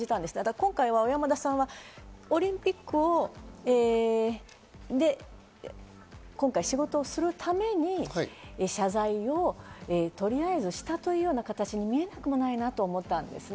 今回、小山田さんはオリンピックで仕事するために謝罪を取りあえずしたというような形に見えなくもないなと思いました。